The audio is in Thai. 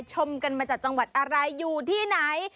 ชมกันมาจากจังหวัดอะไรอยู่ที่ไหน